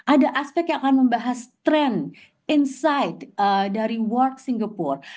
ada aspek yang akan membahas tren insight dari work singapore